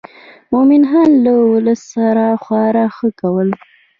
مومن خان له ولس سره خورا ښه کول.